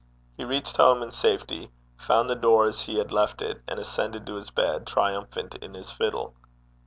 He reached home in safety, found the door as he had left it, and ascended to his bed, triumphant in his fiddle.